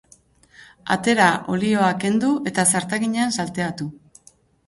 Atera, olioa kendu, eta zartaginean salteatu.